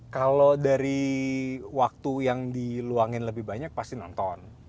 kalau dari waktu yang diluangin lebih banyak pasti nonton